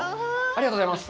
ありがとうございます。